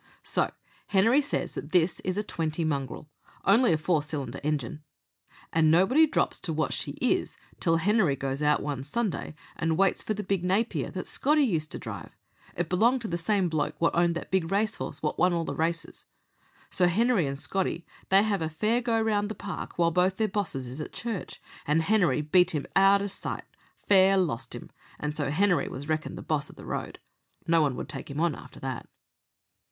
"So Henery he says that this is a twenty mongrel only a four cylinder engine; and nobody drops to what she is till Henery goes out one Sunday and waits for the big Napier that Scotty used to drive it belonged to the same bloke wot owned that big racehorse wot won all the races. So Henery and Scotty they have a fair go round the park while both their bosses is at church, and Henery beat him out o' sight fair lost him and so Henery was reckoned the boss of the road. No one would take him on after that."